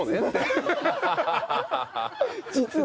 実は。